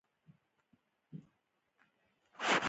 خوندور خواړه به وي، بیا به د بېلتون نوم.